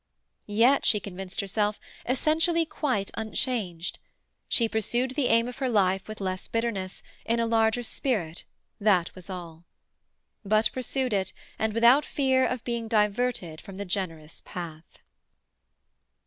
Yet, she convinced herself, essentially quite unchanged. She pursued the aim of her life with less bitterness, in a larger spirit, that was all. But pursued it, and without fear of being diverted from the generous path.